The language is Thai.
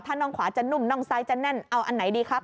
ถ้าน่องขวาจะนุ่มน่องซ้ายจะแน่นเอาอันไหนดีครับ